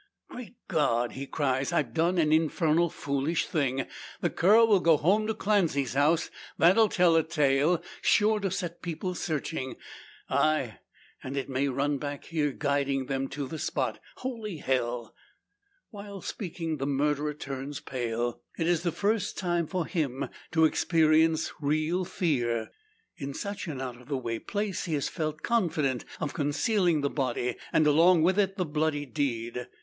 "Great God!" he cries; "I've done an infernal foolish thing. The cur will go home to Clancy's house. That'll tell a tale, sure to set people searching. Ay, and it may run back here, guiding them to the spot. Holy hell!" While speaking, the murderer turns pale. It is the first time for him to experience real fear. In such an out of the way place he has felt confident of concealing the body, and along with it the bloody deed.